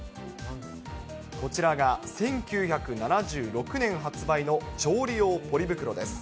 こちらが１９７６年発売の調理用ポリ袋です。